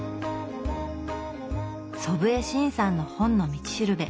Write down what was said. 祖父江慎さんの「本の道しるべ」。